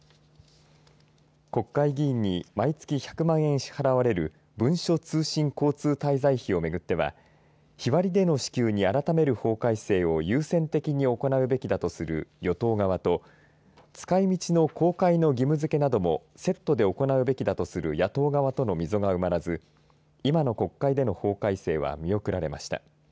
国会議員に毎月１００万円支払われる文書通信交通滞在費をめぐっては日割りでの支給に改める法改正を優先的に行うべきだとする与党側と使いみちの公開の義務づけなどもセットで行うべきだとする野党側との溝が埋まらず今の国会での法改正は見送られました。